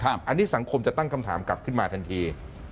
อันนี้สังคมจะตั้งคำถามกลับขึ้นมาทันที